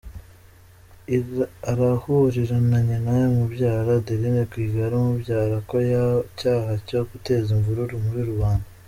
Arahurira na nyina umubyara Adeline Rwigara umubyara ku cyaha cyo guteza imvururu muri rubanda.